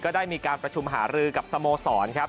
ได้มีการประชุมหารือกับสโมสรครับ